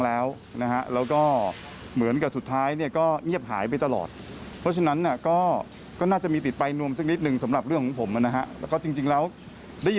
แล้วก็รู้สึกว่ามันเป็นสิ่งที่ควรจะกระทำด้วย